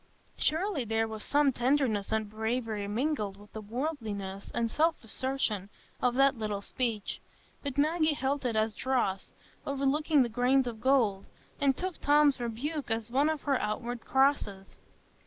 Surely there was some tenderness and bravery mingled with the worldliness and self assertion of that little speech; but Maggie held it as dross, overlooking the grains of gold, and took Tom's rebuke as one of her outward crosses.